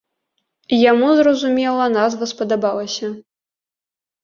Яму, зразумела, назва спадабалася.